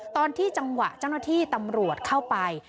ตอนที่จังหวะจังหวะที่ตำรวจเข้าไป